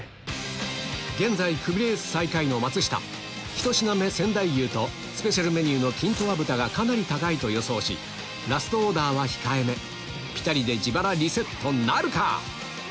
現在クビレース最下位の松下１品目仙台牛とスペシャルメニューのキントア豚がかなり高いと予想しラストオーダーは控えめピタリで自腹リセットなるか？